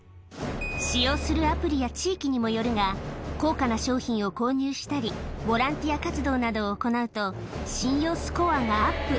使用するアプリや地域にもよるが、高価な商品を購入したり、ボランティア活動などを行うと、信用スコアがアップ。